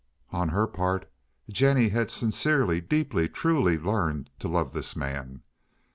On her part Jennie had sincerely, deeply, truly learned to love this man.